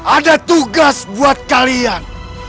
ada tugas buat kalian